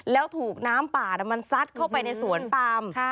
แล้วถูกน้ำป่ามันซัดเข้าไปในสวนปาม